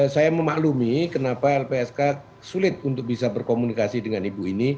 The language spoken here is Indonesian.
saya memaklumi kenapa lpsk sulit untuk bisa berkomunikasi dengan ibu ini